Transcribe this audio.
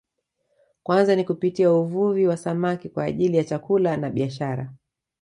Kwanza ni kupitia uvuvi wa samaki kwa ajili ya chakula na biashara